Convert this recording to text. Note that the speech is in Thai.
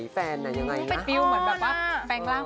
ฝ่ายทาง